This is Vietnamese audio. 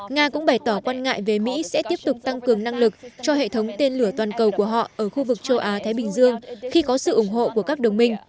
nga cũng bày tỏ quan ngại về mỹ sẽ tiếp tục tăng cường năng lực cho hệ thống tên lửa toàn cầu của họ ở khu vực châu á thái bình dương khi có sự ủng hộ của các đồng minh